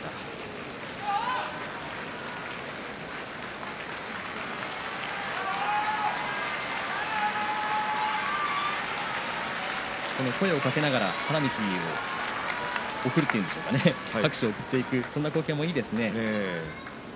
拍手声をかけながら花道を送るというんでしょうか拍手を贈るという光景もいいですね。